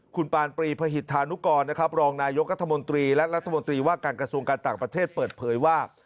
คุณปานปรีพหิตธานุกรนะครับรองนายกรัฐมนตรีและรัฐมนตรีว่าการกระทรวงการต่างประเทศเปิดเผยว่า